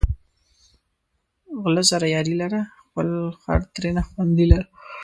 غله سره یاري لره، خپل خر ترېنه خوندي لره